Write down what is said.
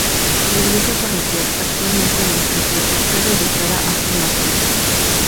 La iglesia parroquial, actualmente en desuso, está dedicada a San Martín.